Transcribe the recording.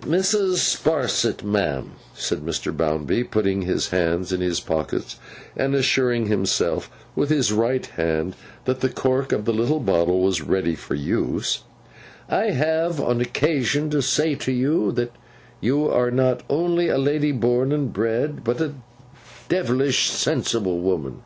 'Mrs. Sparsit, ma'am,' said Mr. Bounderby, putting his hands in his pockets, and assuring himself with his right hand that the cork of the little bottle was ready for use, 'I have no occasion to say to you, that you are not only a lady born and bred, but a devilish sensible woman.